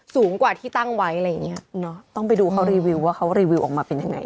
สูงกว่าที่ตั้งไว้อะไรอย่างเงี้ยเนอะต้องไปดูเขารีวิวว่าเขารีวิวออกมาเป็นยังไง